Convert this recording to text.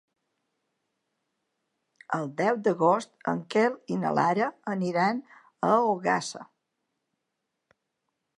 El deu d'agost en Quel i na Lara aniran a Ogassa.